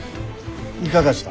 いかがした？